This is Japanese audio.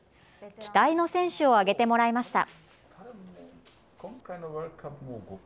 期待の選手を挙げてもらいました。